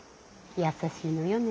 優しいのよね。